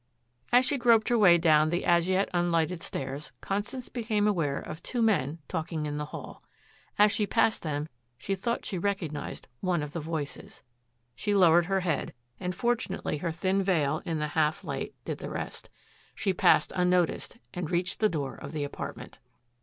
As she groped her way down the as yet unlighted stairs, Constance became aware of two men talking in the hall. As she passed them she thought she recognized one of the voices. She lowered her head, and fortunately her thin veil in the half light did the rest. She passed unnoticed and reached the door of the apartment.